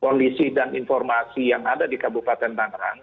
kondisi dan informasi yang ada di kabupaten tangerang